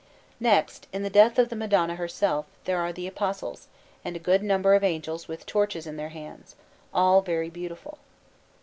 Next, in the death of the Madonna herself, there are the Apostles, and a good number of angels with torches in their hands, all very beautiful.